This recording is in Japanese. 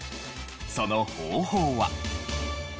その方法は。